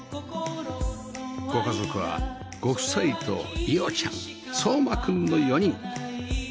ご家族はご夫妻と彩央ちゃん蒼真くんの４人